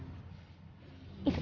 entah itu siapa